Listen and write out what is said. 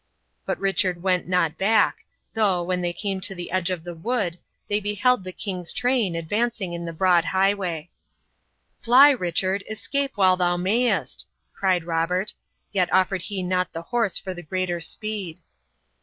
But Richard went not back, though, when they came to the edge of the wood, they beheld the king's train advancing in the broad highway. "Fly, Richard; escape while thou mayest!" cried Robert, yet offered he not the horse for the greater speed.